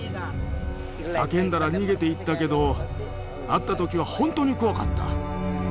叫んだら逃げていったけど会った時は本当に怖かった。